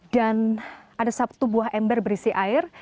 dan ada satu buah ember berisi air